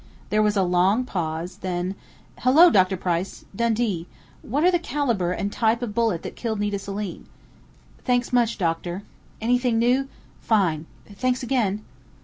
There was a long pause, then: "Hello, Dr. Price!... Dundee.... What are the caliber and type of bullet that killed Nita Selim?... Thanks much, doctor.... Anything new?... Fine! Thanks again!"